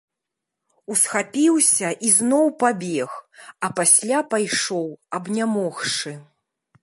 Усхапіўся і зноў пабег, а пасля пайшоў, абнямогшы.